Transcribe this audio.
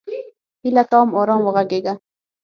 هیله کوم! ارام وغږیږه!